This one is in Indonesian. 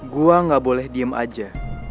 gua gak boleh diem aja